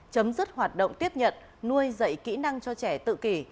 chấm dứt hoạt động tiếp nhận nuôi dạy kỹ năng cho trẻ tự kỷ